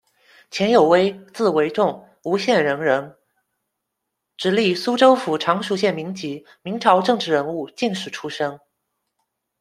钱有威，字维重，吴县人人，直隶苏州府常熟县民籍，明朝政治人物、进士出身。